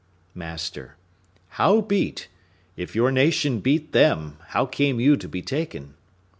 Master.—How beat? If your nation beat them, how came you to be taken?